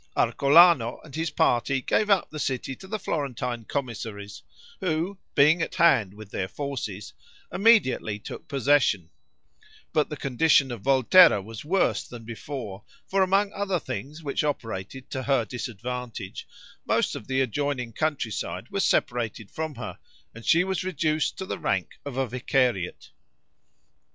Arcolano and his party gave up the city to the Florentine commissaries, who, being at hand with their forces, immediately took possession; but the condition of Volterra was worse than before; for among other things which operated to her disadvantage, most of the adjoining countryside was separated from her, and she was reduced to the rank of a vicariate.